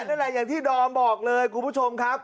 นั่นแหละอย่างที่ดอมบอกเลยคุณผู้ชมครับ